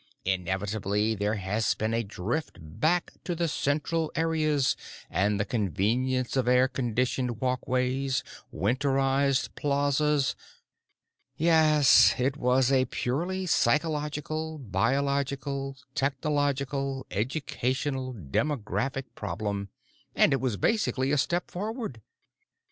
Inevitably there has been a drift back to the central areas and the convenience of air conditioned walkways, winterized plazas...." Yes. It was a purely psychological biological technological educational demographic problem, and it was basically a step forward.